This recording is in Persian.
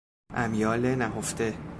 امیال نهفته